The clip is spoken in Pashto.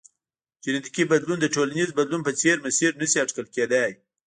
جنیټیکي بدلون د ټولنیز بدلون په څېر مسیر نه شي اټکل کېدای.